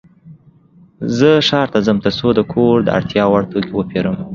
زه ښار ته ځم ترڅو د کور د اړتیا وړ توکې وپيرم.